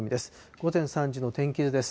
午前３時の天気図です。